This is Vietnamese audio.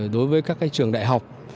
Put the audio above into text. đối với các trường đại học